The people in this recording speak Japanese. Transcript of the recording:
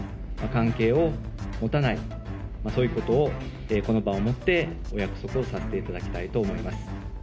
関係を持たない、そういうことを、この場をもってお約束をさせていただきたいと思います。